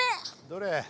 どれ？